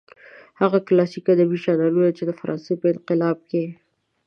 هغه کلاسلیک ادبي ژانرونه چې د فرانسې په انقلاب کې.